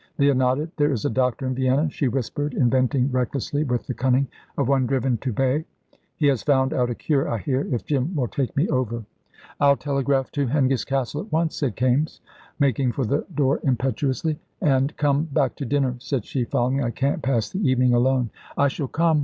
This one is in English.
Leah nodded. "There is a doctor in Vienna," she whispered, inventing recklessly with the cunning of one driven to bay; "he has found out a cure, I hear. If Jim will take me over " "I'll telegraph to Hengist Castle at once," cried Kaimes, making for the door impetuously. "And come back to dinner," said she, following, "I can't pass the evening alone." "I shall come."